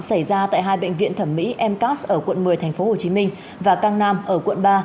xảy ra tại hai bệnh viện thẩm mỹ mcas ở quận một mươi tp hcm và cang nam ở quận ba